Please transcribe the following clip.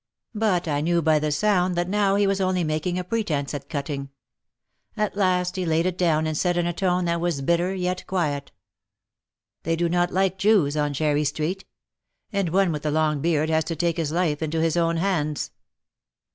But I knew by the sound that now he was only making a pre tence at cutting. At last he laid it down and said in a tone that was bitter yet quiet : "They do not like Jews on Cherry Street. And one with a long beard has to take his life into his own hands."